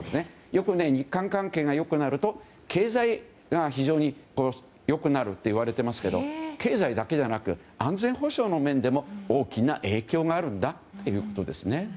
よく日韓関係が良くなると経済が非常に良くなるといわれていますが経済だけじゃなく安全保障の面でも大きな影響があるんだということです。